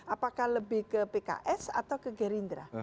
apakah lebih ke pks atau ke gerindra